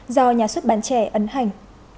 do nhà xuất bán trẻ ấn hành